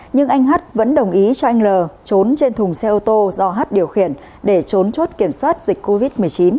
nhưng anh hát vẫn đồng ý cho anh r trốn trên thùng xe ô tô do h điều khiển để trốn chốt kiểm soát dịch covid một mươi chín